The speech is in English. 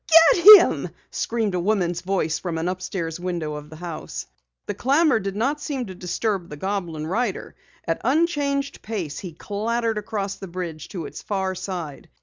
Get him!" screamed a woman's voice from an upstairs window of the house. The clamor did not seem to disturb the goblin rider. At unchanged pace he clattered across the bridge to its far side.